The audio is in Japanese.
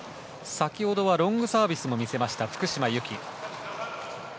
先ほどはロングサービスも見せました福島由紀。